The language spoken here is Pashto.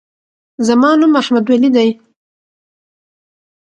زما نوم احمدولي دی.